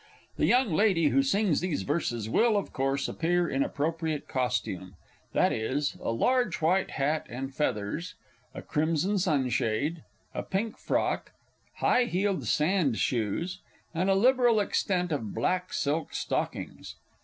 The young lady who sings these verses will of course appear in appropriate costume; viz., a large white hat and feathers, a crimson sunshade, a pink frock, high heeled sand shoes, and a liberal extent of black silk stockings.